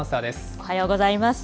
おはようございます。